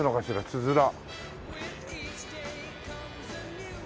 つづら。